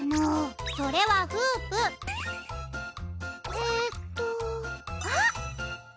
えっとあっ！